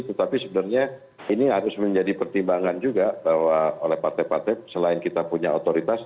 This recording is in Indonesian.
tetapi sebenarnya ini harus menjadi pertimbangan juga bahwa oleh partai partai selain kita punya otoritas